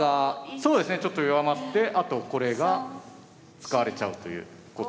そうですねちょっと弱まってあとこれが使われちゃうということですよね。